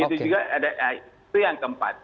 itu juga ada itu yang keempat